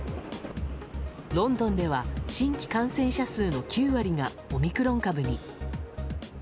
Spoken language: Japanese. ロンドンでは、新規感染者数の９割がオミクロン株に。